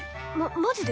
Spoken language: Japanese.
ママジで！？